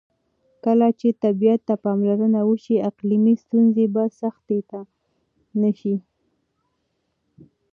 کله چې طبیعت ته پاملرنه وشي، اقلیمي ستونزې به سختې نه شي.